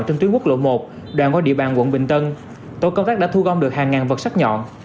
trên tuyến quốc lộ một đoạn qua địa bàn quận bình tân tổ công tác đã thu gom được hàng ngàn vật sắt nhọn